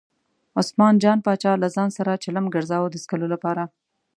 عثمان جان پاچا له ځان سره چلم ګرځاوه د څکلو لپاره.